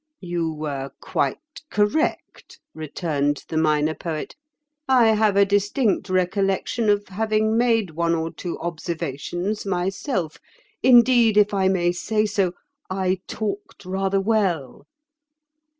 "You were quite correct," returned the Minor Poet. "I have a distinct recollection of having made one or two observations myself. Indeed, if I may say so, I talked rather well."